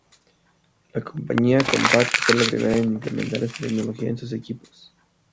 La compañía Compaq fue la primera en implementar esta tecnología en sus equipos.